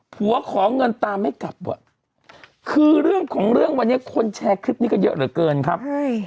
ขอเงินตามไม่กลับว่ะคือเรื่องของเรื่องวันนี้คนแชร์คลิปนี้กันเยอะเหลือเกินครับใช่